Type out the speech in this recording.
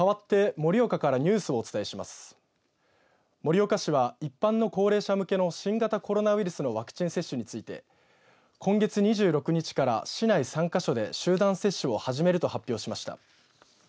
盛岡市は、一般の高齢者向けの新型コロナウイルスのワクチン接種について今月２６日から市内３か所で集団接種を始めると発表しました。